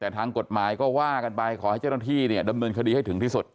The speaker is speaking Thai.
แต่ทางกฎหมายก็ว่ากันไปขอให้เจ้าหน้าที่เนี่ยดำเนินคดีให้ถึงที่สุด